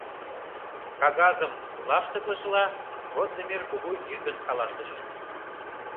— кагазым лаштыклышыла Годдамер кугу йӱкын каласыш.